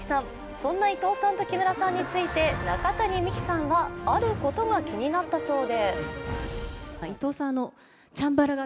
そんな伊藤さんと木村さんについて中谷美紀さんはあることが気になったそうで。